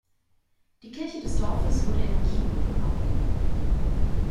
Die Kirche des Dorfes wurde in ein Kino umgebaut.